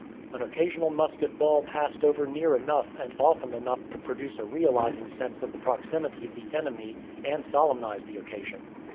An occasional musket ball passed over near enough and often enough to produce a realizing sense of the proximity of the enemy and solemnize the occasion.